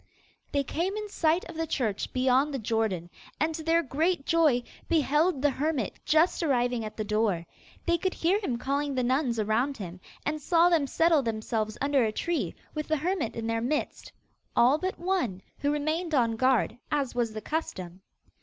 They came in sight of the church beyond the Jordan, and, to their great joy, beheld the hermit just arriving at the door. They could hear him calling the nuns around him, and saw them settle themselves under a tree, with the hermit in their midst all but one, who remained on guard, as was the custom.